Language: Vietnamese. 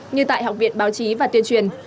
như tại học viện báo chí và tuyên truyền